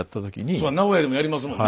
そうや名古屋でもやりますもんね。